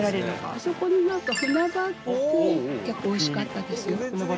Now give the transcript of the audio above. あそこの、なんか、ふなば亭結構おいしかったですよ。